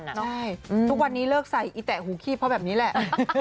เคมีเข้ากันน่ะใช่ทุกวันนี้เลิกใส่อีแตะหูขี้เพราะแบบนี้แหละ